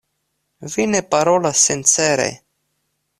Vi ne parolas sincere.